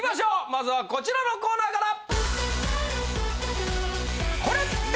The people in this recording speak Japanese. まずはこちらのコーナーから！